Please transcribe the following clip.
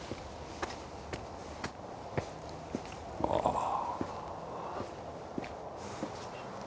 ああ。